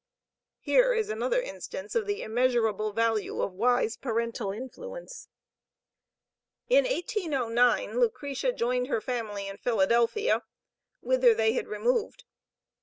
Here is another instance of the immeasurable value of wise parental influence. In 1809 Lucretia joined her family in Philadelphia, whither they had removed.